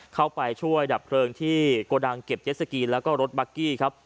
เข้าไปช่วยดับเพลิงที่โกดังเก็บเจ็สสกีแล้วก็รถบัคกี้ครับ